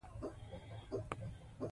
ماري کوري د خپل مېړه له مرسته کار کاوه.